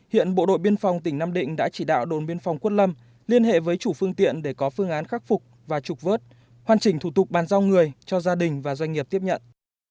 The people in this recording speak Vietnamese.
hiện bộ đội biên phòng tỉnh nam định đã chỉ đạo đồn biên phòng quất lâm liên hệ với chủ phương tiện để có phương án khắc phục và trục vớt hoàn chỉnh thủ tục bàn giao người cho gia đình và doanh nghiệp tiếp nhận